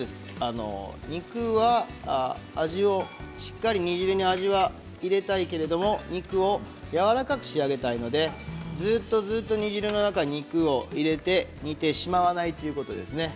肉は味をしっかり煮汁に味は入れたいけれども肉をやわらかく仕上げたいのでずっとずっと煮汁の中に肉を入れて煮てしまわないということですね。